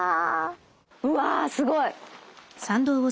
うわすごい。